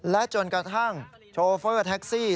และจนกระทั่งโชเฟอร์แท็กซี่